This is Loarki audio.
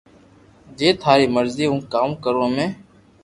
جي تاري مرزي ھون ڪاوُ ڪارو ھمي